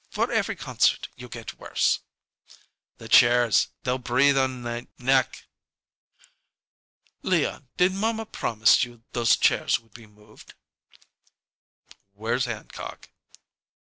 For every concert you get worse." "The chairs they'll breathe on nay neck." "Leon, did mamma promise you those chairs would be moved?" "Where's Hancock?"